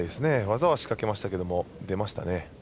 技は仕掛けましたけども出ましたね。